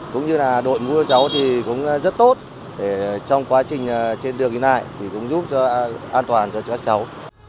cũng như là đội mũi cho cháu thì cũng rất tốt để trong quá trình trên đường như này thì cũng giúp cho an toàn cho các cháu